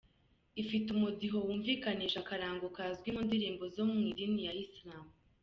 Ifite umudiho wumvikanisha akarango kazwi mu ndirimbo zo mu idini ya Islam.